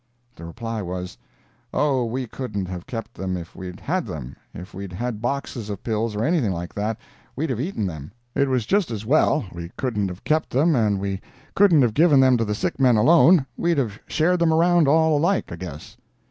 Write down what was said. The reply was: "Oh, we couldn't have kept them if we'd had them, if we'd had boxes of pills, or anything like that, we'd have eaten them. It was just as well—we couldn't have kept them, and we couldn't have given them to the sick men alone—we'd have shared them around all alike, I guess."